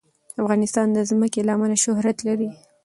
افغانستان د ځمکه له امله شهرت لري.